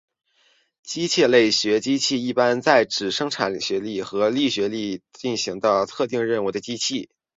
机械类机器一般是指产生力学能或是利用力学能进行特定任务的机器。